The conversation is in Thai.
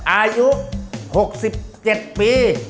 อายุ๖๗ปี